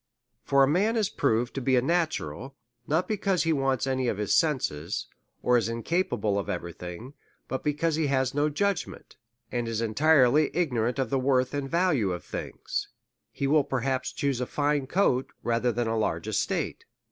For a man is proved to be a natural, not be cause he wants any of his senses, or is incapable of every thing, but because he has no judgment, and is entirely ignorant of the worth and value of things — he will perhaps chuse a fine coat rather than a large es tate.